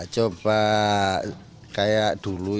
coba kayak dulu itu